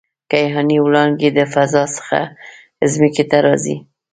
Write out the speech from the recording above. کیهاني وړانګې د فضا څخه ځمکې ته راځي.